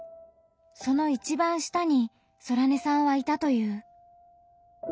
その一番下にソラネさんはいたという。